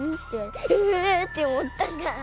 「ああ！？」って思ったから。